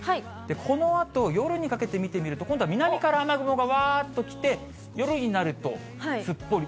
このあと夜にかけて見てみると、今度は南から雨雲がわーっときて、夜になると、すっぽり。